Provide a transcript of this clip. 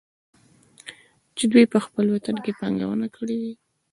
چې دوي په خپل وطن کې پانګونه کړى وى.